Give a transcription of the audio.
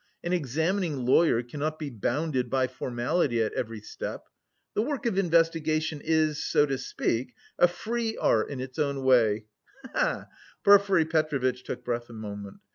An examining lawyer cannot be bounded by formality at every step. The work of investigation is, so to speak, a free art in its own way, he he he!" Porfiry Petrovitch took breath a moment.